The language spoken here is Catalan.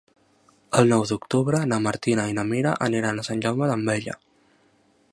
El nou d'octubre na Martina i na Mira aniran a Sant Jaume d'Enveja.